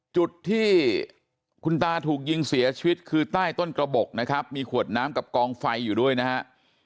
จุดที่คุณตาถูกยิงเสียชีวิตคือใต้ต้นกระบบนะครับมีขวดน้ำกับกองไฟอยู่ด้วยนะฮะ